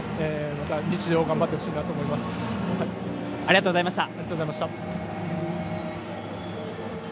また、頑張ってほしいなと思いました。